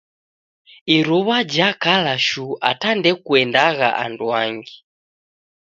Iruw'a jakala shuu ata ndekuendagha anduangi